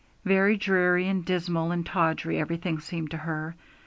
Very dreary and dismal and tawdry everything seemed to her.